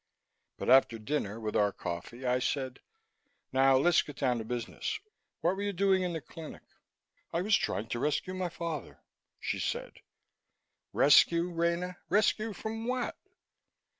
But after dinner, with our coffee, I said: "Now let's get down to business. What were you doing in the clinic?" "I was trying to rescue my father," she said. "Rescue, Rena? Rescue from what?"